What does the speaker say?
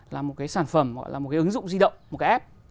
là một cái sản phẩm gọi là một cái ứng dụng di động một cái app